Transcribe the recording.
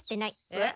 えっ？